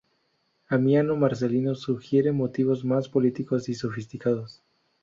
Amiano Marcelino sugiere motivos más políticos y sofisticados.